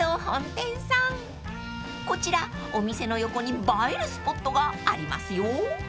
［こちらお店の横に映えるスポットがありますよ］